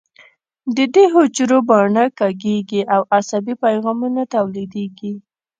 د دې حجرو باڼه کږېږي او عصبي پیغامونه تولیدېږي.